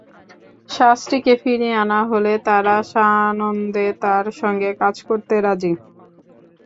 শাস্ত্রীকে ফিরিয়ে আনা হলে তারা সানন্দে তাঁর সঙ্গে কাজ করতে রাজি।